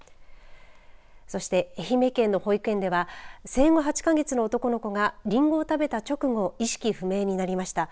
そして愛媛県の保育園では生後８か月の男の子がりんごを食べた直後意識不明になりました。